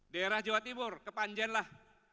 daerah jawa timur kepanjen lah